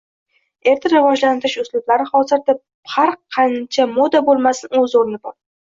Erta rivojlantirish uslublari hozirda har qancha moda bo‘lmasin, o'z o'rni bor.